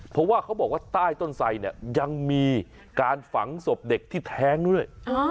เพราะว่าเขาบอกว่าใต้ต้นไสเนี่ยยังมีการฝังศพเด็กที่แท้งด้วย